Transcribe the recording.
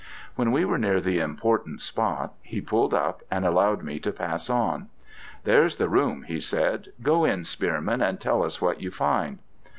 When we were near the important spot, he pulled up, and allowed me to pass on. 'There's the room,' he said. 'Go in, Spearman, and tell us what you find.'